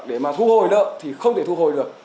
để mà thu hồi nợ thì không thể thu hồi được